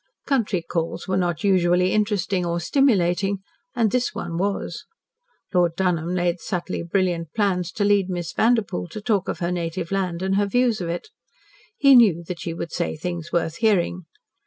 Country calls were not usually interesting or stimulating, and this one was. Lord Dunholm laid subtly brilliant plans to lead Miss Vanderpoel to talk of her native land and her views of it. He knew that she would say things worth hearing.